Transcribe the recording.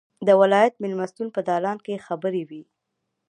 د ولایت مېلمستون په دالان کې خبرې وې.